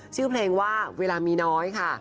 ชื่อเพลงว่าเวลามีน้อยค่ะ